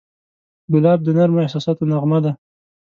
ګلاب د نرمو احساساتو نغمه ده.